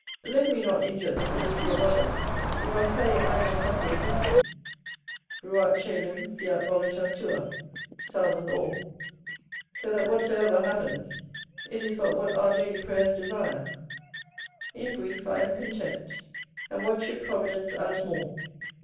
Let me not injure the felicity of others, if I say I am as happy as any. "Ruat cœlum, fiat voluntas tua," salveth all; so that, whatsoever happens, it is but what our daily prayers desire. In brief, I am content; and what should providence add more?